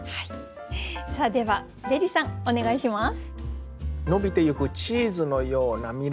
さあではベリさんお願いします！